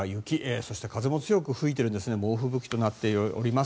そして風も強く吹いているんです猛吹雪となっております。